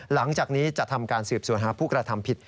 หลังจากนี้จะทำการสืบสวนหาผู้กระทำผิด